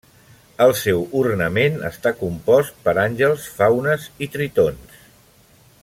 El seu ornament està compost per àngels, faunes i tritons.